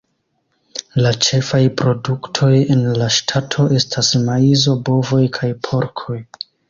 La ĉefaj produktoj en la ŝtato estas maizo, bovoj, kaj porkoj.